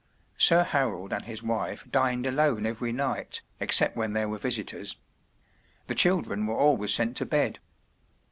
Sir Harold and his wife dined alone every night, except when there were visitors. The children were always sent to bed.